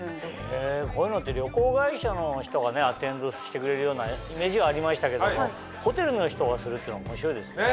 へぇこういうのって旅行会社の人がアテンドしてくれるようなイメージはありましたけどもホテルの人がするっていうのは面白いですね。